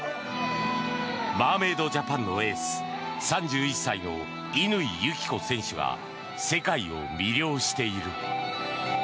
マーメイドジャパンのエース３１歳の乾友紀子選手が世界を魅了している。